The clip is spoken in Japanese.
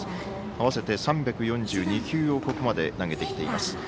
合わせて３４２球をここまで投げてきています。